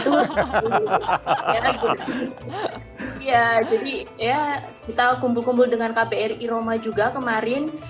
ya jadi ya kita kumpul kumpul dengan kbri roma juga kemarin